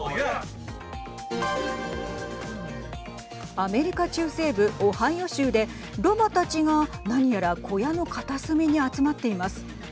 アメリカ中西部オハイオ州でろばたちが何やら小屋の片隅に集まっています。